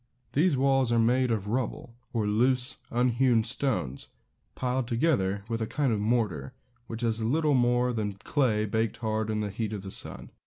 These walls are made of rubble, or loose, unhewn stones, piled together with a kind of mortar, which is little more than clay baked hard in the heat of the sun.